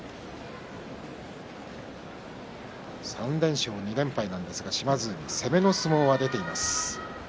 ３連勝２連敗なんですが島津海は攻めの相撲が出ています。